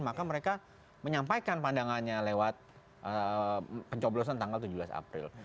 maka mereka menyampaikan pandangannya lewat pencoblosan tanggal tujuh belas april